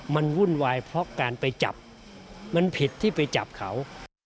มันวุ่นวายเพราะการไปจับมันผิดที่ไปจับเขา